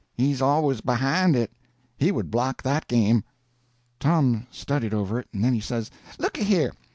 He's always behind it. He would block that game." Tom studied over it, and then he says: "Looky here.